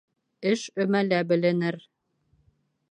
Эш өмәлә беленер.